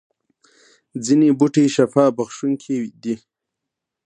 ځینې بوټي شفا بخښونکي دي